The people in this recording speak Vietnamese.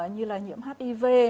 như là nhiễm hiv